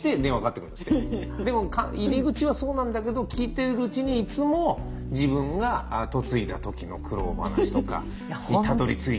でも入り口はそうなんだけど聞いているうちにいつも自分が嫁いだ時の苦労話とかにたどりついちゃうらしいんですよ。